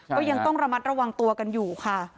ก็ยังต้องระมัดระวังตัวกันอยู่ค่ะ